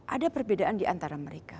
ada perbedaan diantara mereka